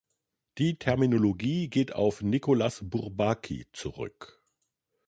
Die Terminologie geht auf Nicolas Bourbaki zurück.